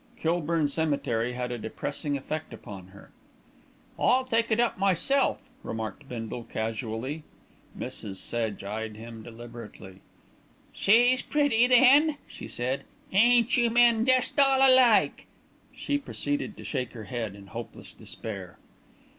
Kilburn Cemetery had a depressing effect upon her. "I'll take it up myself," remarked Bindle casually. Mrs. Sedge eyed him deliberately. "She's pretty, then," she said. "Ain't you men jest all alike!" She proceeded to shake her head in hopeless despair.